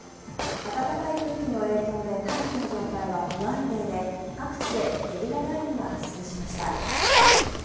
暖かい空気の影響で大気の状態は不安定で各地でゲリラ雷雨が発生しました。